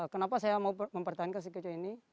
kenapa saya mau mempertahankan sakeco ini